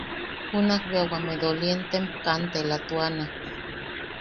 Junak bea wame dolientem kantelatuana.